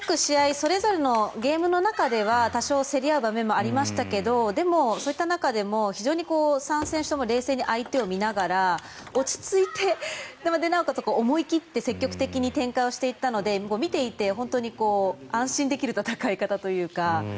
それぞれのゲームの中では多少競り合う場面もありましたけどでも、そういった中でも非常に３選手とも冷静に相手を見ながら落ち着いて、なおかつ思い切って積極的に展開をしていったので見ていて、本当に安心できる戦い方というか。